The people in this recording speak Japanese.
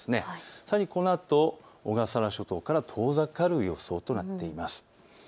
さらにこのあと小笠原諸島から遠ざかる予想となっています。